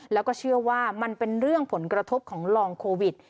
แล้วก็เชื่อว่ามันเป็นเรื่องผลกระทบของลองโควิด